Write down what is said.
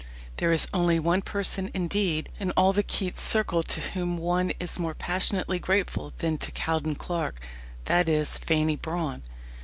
There is only one person, indeed, in all the Keats circle to whom one is more passionately grateful than to Cowden Clarke: that is Fanny Brawne.